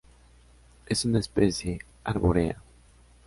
Es una especie arbórea.